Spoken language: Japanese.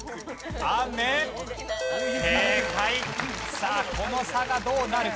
さあこの差がどうなるか？